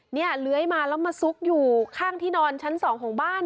เลื้อยมาแล้วมาซุกอยู่ข้างที่นอนชั้นสองของบ้าน